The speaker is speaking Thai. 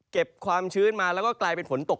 ความชื้นมาแล้วก็กลายเป็นฝนตก